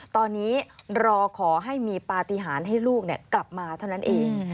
ตอนนี้รอขอให้มีปฏิหารให้ลูกกลับมาเท่านั้นเอง